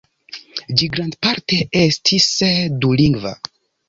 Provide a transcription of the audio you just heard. Ĝi grandparte estis dulingva.